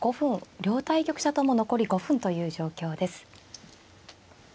両対局者とも残り５分という状況です。